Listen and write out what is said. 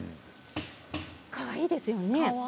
かわいいですよね。